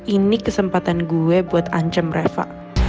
ini kesempatan gue buat ancam reva